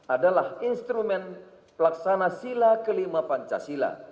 adalah instrumen pelaksana sila kelima pancasila